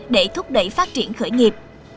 để thúc đẩy phát triển khởi nghiệp